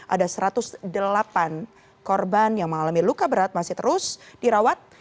ada satu ratus delapan korban yang mengalami luka berat masih terus dirawat